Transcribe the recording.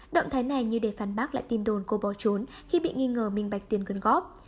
động thái này như để phán bác lại tin đồn cô bỏ trốn khi bị nghi ngờ minh bạch tiền quyên góp